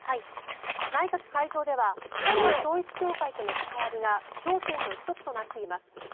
内閣改造では旧統一教会との関わりが焦点の１つとなっています。